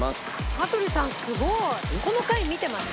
「羽鳥さんすごい！この回見てました？」